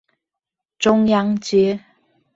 中央街